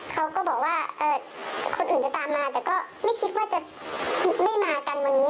เขาก็บอกว่าคนอื่นจะตามมาแต่ก็ไม่คิดว่าจะไม่มากันวันนี้